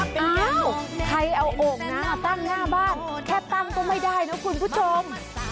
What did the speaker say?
อ้าวใครเอาโอ่งนะมาตั้งหน้าบ้านแค่ตั้งก็ไม่ได้นะคุณผู้ชม